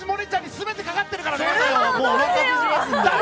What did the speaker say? すべてかかってるから！